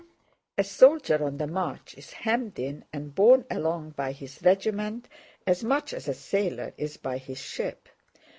A soldier on the march is hemmed in and borne along by his regiment as much as a sailor is by his ship.